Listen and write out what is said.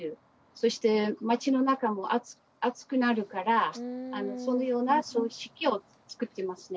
そして街の中も暑くなるからそのような組織を作ってますね。